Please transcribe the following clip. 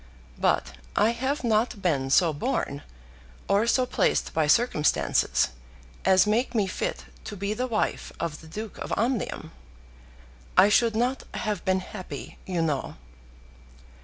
But I have not been so born, or so placed by circumstances, as make me fit to be the wife of the Duke of Omnium. I should not have been happy, you know."